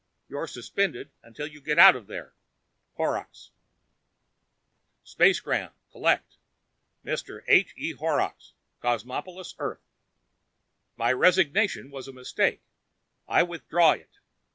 You're suspended until you get out of there. Horrocks SPACEGRAM (Collect) Mr. H. E. Horrocks, Cosmopolis, Earth MY RESIGNATION IS A MISTAKE. I WITHDRAW IT.